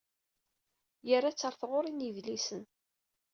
Yerra-tt ɣer tɣuri n yedlisen.